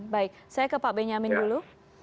baik saya ke pak benyamin dulu